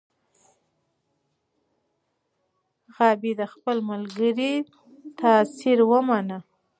غابي د خپل ملګري تاثیر ومنه.